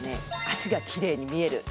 脚がきれいに見える。